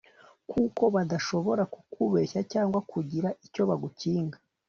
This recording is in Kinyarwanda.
kuko badashobora kukubeshya cyangwa kugira icyo bagukinga